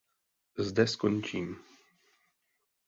Zde skončím.